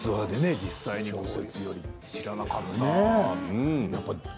実際に、知らなかった。